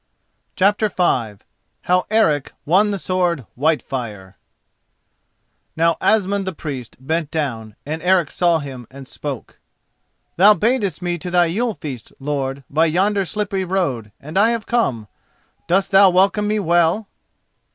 CHAPTER V HOW ERIC WON THE SWORD WHITEFIRE Now Asmund the priest bent down, and Eric saw him and spoke: "Thou badest me to thy Yule feast, lord, by yonder slippery road and I have come. Dost thou welcome me well?"